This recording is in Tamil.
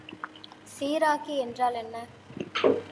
சீராக்கி என்றால் என்ன?